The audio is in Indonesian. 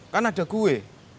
kan ada gue